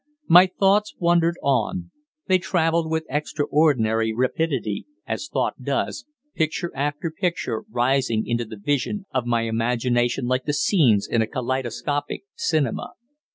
My thoughts wandered on. They travelled with extraordinary rapidity, as thought does, picture after picture rising into the vision of my imagination like the scenes in a kaleidoscopic cinema.